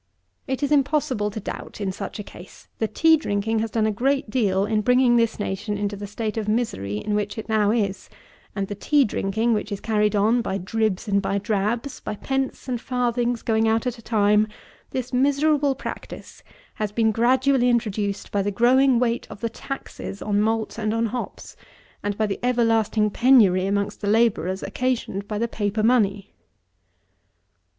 It is impossible to doubt in such a case. The tea drinking has done a great deal in bringing this nation into the state of misery in which it now is; and the tea drinking, which is carried on by "dribs" and "drabs;" by pence and farthings going out at a time; this miserable practice has been gradually introduced by the growing weight of the taxes on malt and on hops, and by the everlasting penury amongst the labourers, occasioned by the paper money.